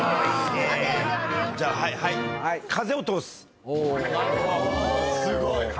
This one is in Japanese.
すごい。